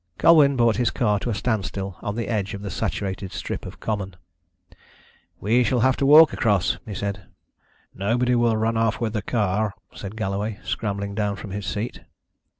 Colwyn brought his car to a standstill on the edge of the saturated strip of common. "We shall have to walk across," he said. "Nobody will run off with the car," said Galloway, scrambling down from his seat.